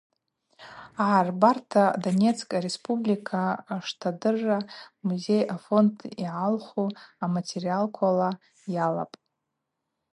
Агӏарбарта Донецк ареспублика штадырра музей афонд йгӏалху аматериалквала йалапӏ.